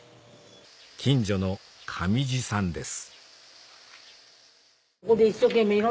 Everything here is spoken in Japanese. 近所の上地さんです